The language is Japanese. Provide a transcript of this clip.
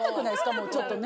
もうちょっとね。